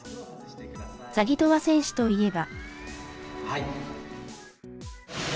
ザギトワ選手といえば。